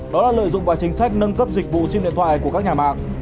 đó là lợi dụng vào chính sách nâng cấp dịch vụ sim điện thoại của các nhà mạng